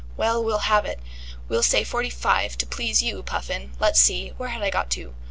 "Well, we'll halve it, we'll say forty five, to please you, Puffin let's see, where had I got to?